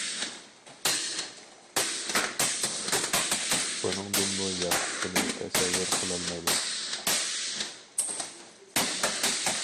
بۇنىڭدىنمۇ ياخشىسىنى تەسەۋۋۇر قىلالمايمەن.